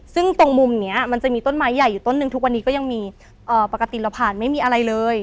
ซึ่งตรงมุมนี้มันจะมีต้นไม้ใหญ่อยู่ต้นหนึ่งทุกวันนี้ก็ยังมีปกติเราผ่านไม่มีอะไรเลย